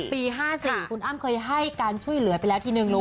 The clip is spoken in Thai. ปี๕๔คุณอ้ำเคยให้การช่วยเหลือไปแล้วทีนึงรู้